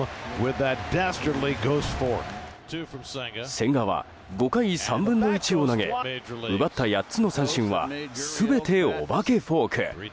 千賀は５回３分の１を投げ奪った８つの三振は全て、おばけフォーク。